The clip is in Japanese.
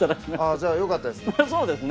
じゃあよかったですね。